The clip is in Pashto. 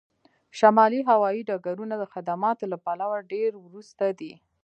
شمالي هوایی ډګرونه د خدماتو له پلوه ډیر وروسته دي